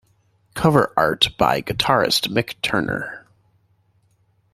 Cover art by guitarist Mick Turner.